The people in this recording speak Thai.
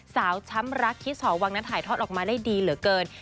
ช้ำรักที่สอวังนั้นถ่ายทอดออกมาได้ดีเหลือเกิน